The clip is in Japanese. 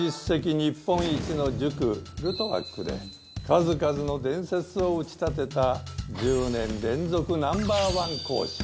日本一の塾ルトワックで数々の伝説を打ち立てた１０年連続Ｎｏ．１講師。